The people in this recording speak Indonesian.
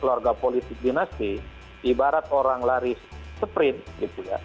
kelompok kelompok politik dinasti ibarat orang lari sprint